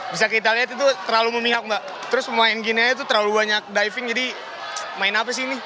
bisa kita lihat itu terlalu memihak mbak terus pemain gini aja tuh terlalu banyak diving jadi main apa sih ini